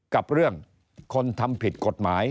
กับเรื่องคนทำผิดกฎหมาย